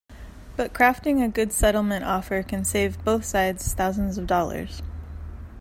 But crafting a good settlement offer can save both sides thousands of dollars.